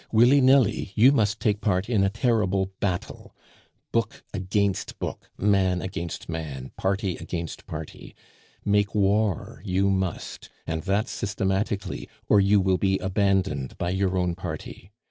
"Willy nilly, you must take part in a terrible battle; book against book, man against man, party against party; make war you must, and that systematically, or you will be abandoned by your own party.